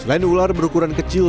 selain ular berukuran kecil